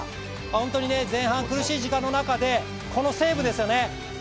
本当に前半苦しい時間の中で、このセーブでしたよね。